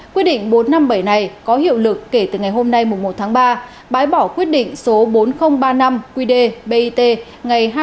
quyết định bốn trăm năm mươi bảy này có hiệu lực kể từ ngày hôm nay một ba bái bỏ quyết định số bốn nghìn ba mươi năm qd bit ngày hai mươi một tám hai nghìn hai mươi một của bộ trưởng bộ y tế